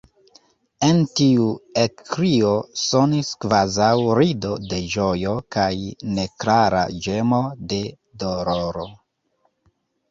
En tiu ekkrio sonis kvazaŭ rido de ĝojo kaj neklara ĝemo de doloro.